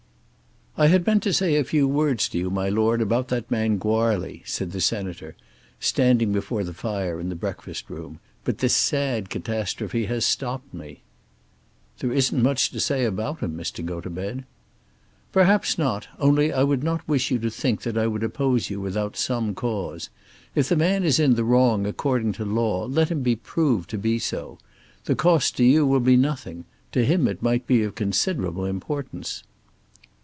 "I had meant to say a few words to you, my lord, about that man Goarly," said the Senator, standing before the fire in the breakfast room, "but this sad catastrophe has stopped me." "There isn't much to say about him, Mr. Gotobed." "Perhaps not; only I would not wish you to think that I would oppose you without some cause. If the man is in the wrong according to law let him be proved to be so. The cost to you will be nothing. To him it might be of considerable importance."